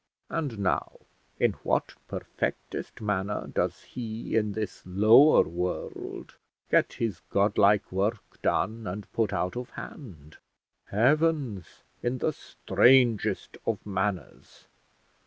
And now, in what perfectest manner does he in this lower world get his godlike work done and put out of hand? Heavens! in the strangest of manners.